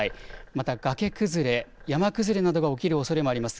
また崖崩れ、山崩れなどが起きるおそれもあります。